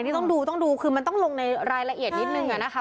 ต้องดูต้องดูคือมันต้องลงในรายละเอียดนิดนึงอะนะคะ